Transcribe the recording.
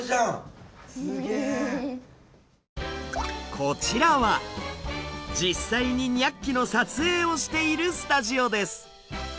こちらは実際に「ニャッキ！」の撮影をしているスタジオです。